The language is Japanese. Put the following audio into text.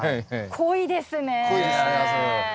濃いです。